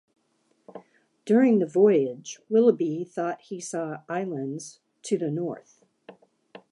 During the voyage, Willoughby thought he saw islands to the north.